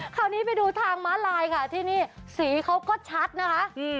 คราวนี้ไปดูทางม้าลายค่ะที่นี่สีเขาก็ชัดนะคะ